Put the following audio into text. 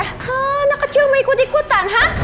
hah anak kecil mau ikut ikutan hah